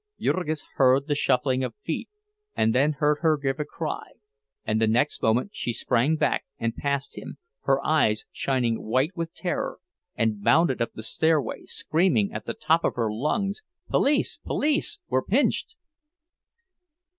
Jurgis heard the shuffling of feet, and then heard her give a cry; and the next moment she sprang back, and past him, her eyes shining white with terror, and bounded up the stairway, screaming at the top of her lungs: "_Police! Police! We're pinched!